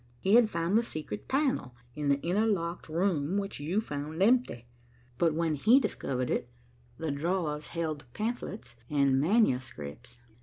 He had found the secret panel in the inner locked room which you found empty, but when he discovered it the drawers held pamphlets and manuscripts.